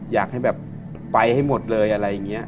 อยากให้แบบไปให้หมดเลยอะไรอย่างนี้